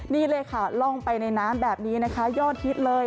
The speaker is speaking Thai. นี่เลยค่ะล่องไปในน้ำแบบนี้นะคะยอดฮิตเลย